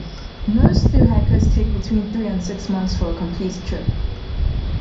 Most through-hikers take between three and six months for a complete trip.